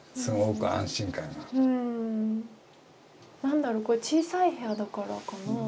何だろうこういう小さい部屋だからかな？